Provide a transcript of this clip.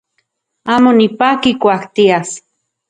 Amo nipaki ijkuak tias.